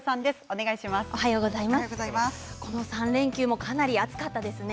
この３連休もかなり暑かったですね。